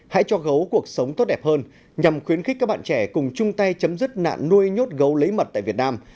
hãy cho gấu cuộc sống tốt đẹp hơn nhằm khuyến khích các bạn trẻ cùng chung tay chấm dứt nạn nuôi nhốt gấu lấy mật tại việt nam